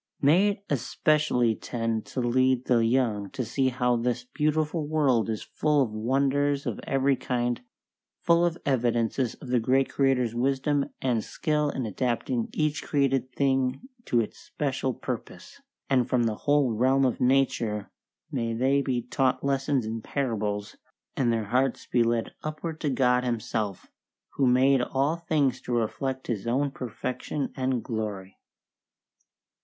May it especially tend to lead the young to see how this beautiful world is full of wonders of every kind, full of evidences of the Great Creator's wisdom and skill in adapting each created thing to its special purpose, and from the whole realm of nature may they be taught lessons in parables, and their hearts be led upward to God Himself, who made all things to reflect His own perfection and glory.